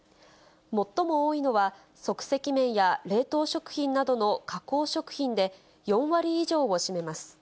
最も多いのは、即席麺や冷凍食品などの加工食品で、４割以上を占めます。